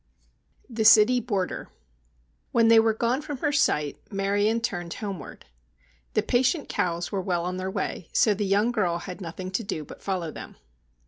THE CITY BOARDER. When they were gone from her sight Marion turned homeward. The patient cows were well on their way, so the young girl had nothing to do but follow them.